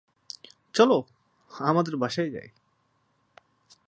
চলো, আমাদের বাসায় যাই।